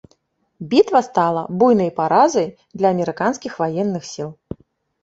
Бітва стала буйнай паразай для амерыканскіх ваенных сіл.